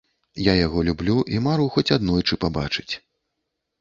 Я яго люблю і мару хоць аднойчы пабачыць.